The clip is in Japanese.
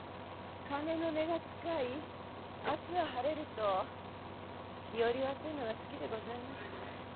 鐘の音が近い明日は晴れる」と日和を当てんのが好きでございました。